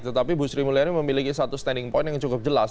tetapi bu sri mulyani memiliki satu standing point yang cukup jelas